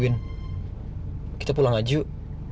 win kita pulang aja yuk